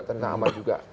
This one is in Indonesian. tidak aman juga